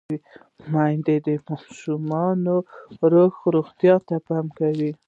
میندې د ماشومانو روحي روغتیا ته پام کوي۔